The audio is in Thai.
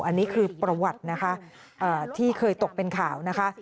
อันนี้คือประวัตินะคะที่เคยตกเป็นข่าวนะคะ